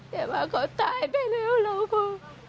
แต่ว่าเขาตายไปแล้วเราก็